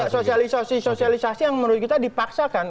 sosialisasi sosialisasi yang menurut kita dipaksakan